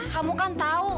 kamu kan tau